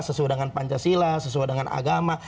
sesuai dengan pancasila sesuai dengan agama